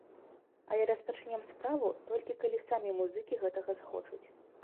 Але распачнем справу, толькі калі самі музыкі гэтага захочуць.